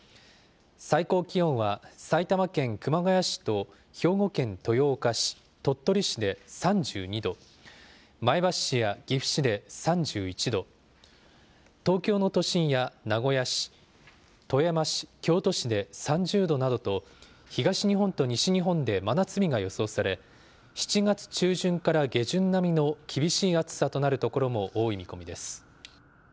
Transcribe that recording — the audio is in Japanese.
最高気温は埼玉県熊谷市と兵庫県豊岡市、鳥取市で３２度、前橋市や岐阜市で３１度、東京の都心や名古屋市、富山市、京都市で３０度などと、東日本と西日本で真夏日が予想され、７月中旬から下旬並みの厳しい暑さとなる所も多い見込みです。